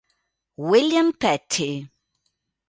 William Petty